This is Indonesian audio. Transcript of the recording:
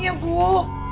ayo masuk dulu